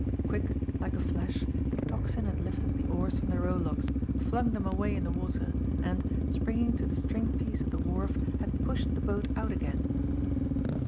Quick, like a flash, the Tocsin had lifted the oars from the rowlocks, flung them away in the water, and, springing to the string piece of the wharf, had pushed the boat out again.